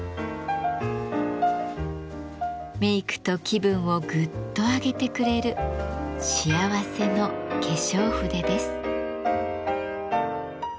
メイクと気分をグッと上げてくれる幸せの化粧筆です。